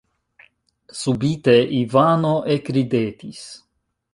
Subite Ivano ekridetis.